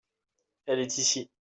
elle est ici.